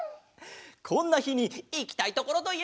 こんなひにいきたいところといえば？